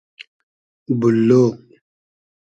بوللۉ